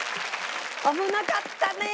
危なかったね。